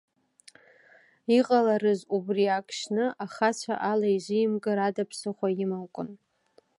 Иҟаларыз убри ак шьны, ахацәа алаизимгар ада ԥсыхәа имамкәан?